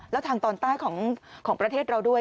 แล้วทางตอนใต้ของประเทศเราด้วย